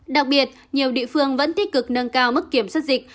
đặc biệt nhiều địa phương vẫn tích cực nâng cao mức kiểm soát dịch